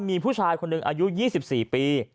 มีผู้ชายคนหนึ่งอายุ๒๔ปี